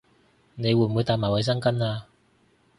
你會唔會帶埋衛生巾吖